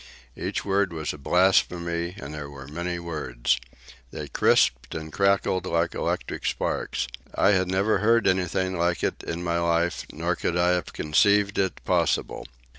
Each word was a blasphemy, and there were many words. They crisped and crackled like electric sparks. I had never heard anything like it in my life, nor could I have conceived it possible.